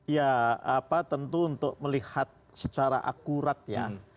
ya apa tentu untuk melihat secara akurat ya